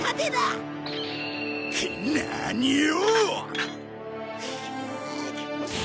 何を！